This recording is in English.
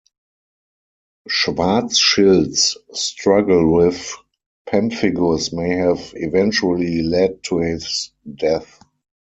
Schwarzschild's struggle with pemphigus may have eventually led to his death.